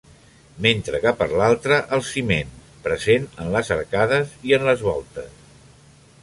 Mentre que per l'altra el ciment, present en les arcades i en les voltes.